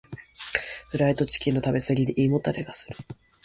フライドチキンの食べ過ぎで胃もたれがする。